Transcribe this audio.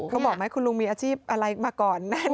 เขาบอกไหมคุณลุงมีอาชีพอะไรมาก่อน